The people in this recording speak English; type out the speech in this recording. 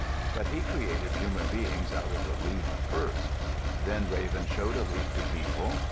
But he created human beings out of the leaf first. Then Raven showed a leaf to people.